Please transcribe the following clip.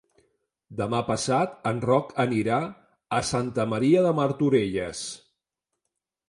Demà passat en Roc anirà a Santa Maria de Martorelles.